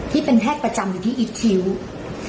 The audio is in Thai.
ที่เป็นแพทย์ประจำอยู่ที่อิทคิ้ว